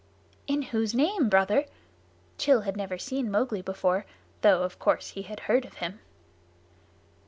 "In whose name, Brother?" Rann had never seen Mowgli before, though of course he had heard of him.